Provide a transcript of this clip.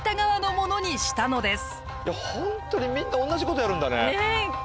ホントにみんな同じことやるんだね。